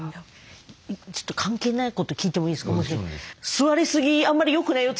ちょっと関係ないこと聞いてもいいですか？